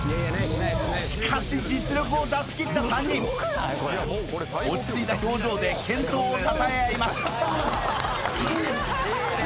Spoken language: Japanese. しかし実力を出し切った３人落ち着いた表情で健闘をたたえ合います